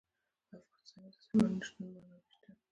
په افغانستان کې د سمندر نه شتون منابع شته.